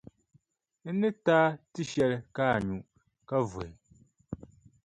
N ni ti a tiʼshɛli ka a nyu, ka vuhi.